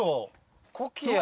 コキア。